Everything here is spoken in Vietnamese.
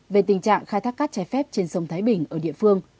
về tình trạng khai thác cát trái phép trên sông thái bình ở địa phương